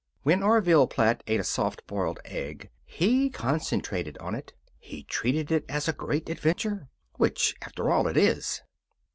When Orville Platt ate a soft boiled egg he concentrated on it. He treated it as a great adventure. Which, after all, it is.